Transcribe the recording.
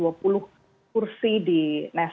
kalau kita lihat komposisi dari pemerintah israel